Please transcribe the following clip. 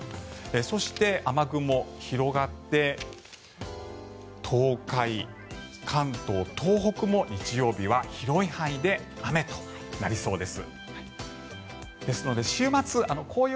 そして、雨雲が広がって東海、関東、東北も日曜日は広い範囲で雨となりそうです。